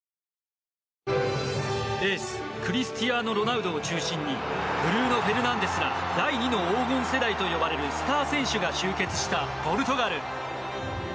エース、クリスティアーノ・ロナウドを中心にブルーノ・フェルナンデスら第２の黄金世代と呼ばれるスター選手が集結したポルトガル。